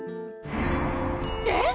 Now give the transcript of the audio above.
えっ！？